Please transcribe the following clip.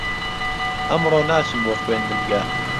ئەمڕۆ ناچم بۆ خوێندنگە.